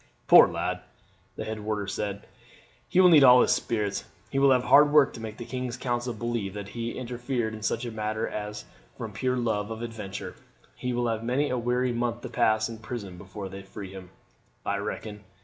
"Poor lad!" the head warder said; "he will need all his spirits. He will have hard work to make the king's council believe that he interfered in such a matter as this from pure love of adventure. He will have many a weary month to pass in prison before they free him, I reckon.